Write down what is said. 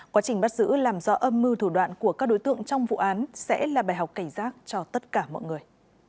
quá trình bắt giữ làm rõ âm mưu thủ đoạn của các đối tượng trong vụ án sẽ là bài học cảnh giác cho tất cả mọi người